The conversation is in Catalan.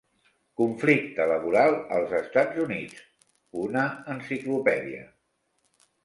"Conflicte laboral als Estats Units", una enciclopèdia.